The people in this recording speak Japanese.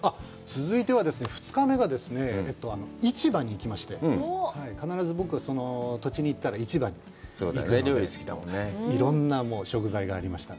続いてはですね、２日目が市場に行きまして、必ず僕、その土地に行ったら、市場に行くので、いろんな食材がありました。